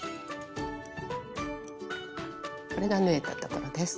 これが縫えたところです。